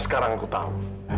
sekarang aku tahu